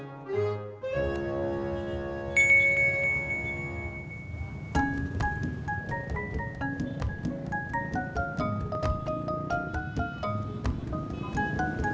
tidak ada yang bisa pak